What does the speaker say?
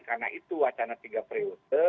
karena itu wacana tiga periode